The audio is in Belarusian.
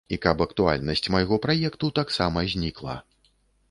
І каб актуальнасць майго праекту таксама знікла.